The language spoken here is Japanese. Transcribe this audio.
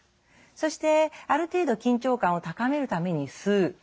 そしてある程度緊張感を高めるために吸う。